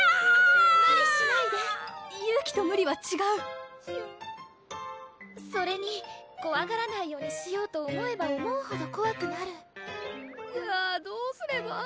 無理しないで勇気と無理はちがうしゅんそれにこわがらないようにしようと思えば思うほどこわくなるじゃあどうすれば？